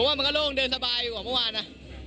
ว่ามันก็โล่งเดินสบายอยู่กว่าเมื่อวานนะ